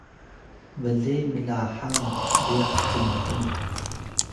ble mlahang ryax cnpung